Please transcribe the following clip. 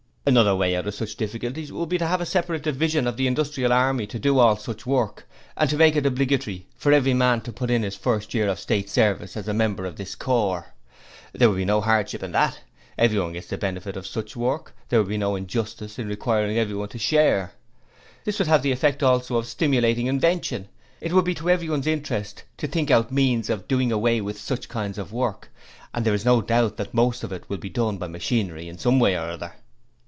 'Another way out of such difficulties would be to have a separate division of the Industrial army to do all such work, and to make it obligatory for every man to put in his first year of State service as a member of this corps. There would be no hardship in that. Everyone gets the benefit of such work; there would be no injustice in requiring everyone to share. This would have the effect also of stimulating invention; it would be to everyone's interest to think out means of doing away with such kinds of work and there is no doubt that most of it will be done by machinery in some way or other.